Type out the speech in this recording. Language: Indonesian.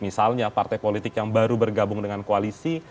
misalnya partai politik yang baru bergabung dengan koalisi